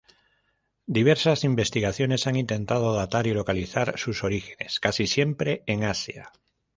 Diversas investigaciones han intentado datar y localizar sus orígenes, casi siempre en Asia.